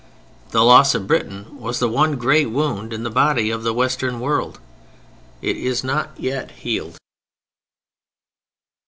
The loss of Britain was the one great wound in the body of the Western world. It is not yet healed.